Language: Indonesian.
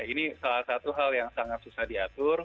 ini salah satu hal yang sangat susah diatur